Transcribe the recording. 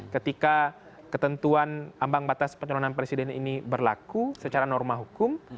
ketika ketentuan ambang batas pencalonan presiden ini berlaku secara norma hukum